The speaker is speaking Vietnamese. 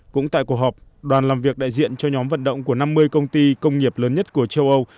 cũng tại cuộc họp đoàn làm việc đại diện cho nhóm vận động của năm mươi công ty công nghiệp lớn nhất của châu âu